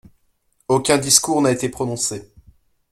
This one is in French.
Aucun discours n'a été prononcé.